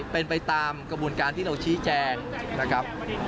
เป็นไปตามกระบวนการที่เราชี้แจงนะครับ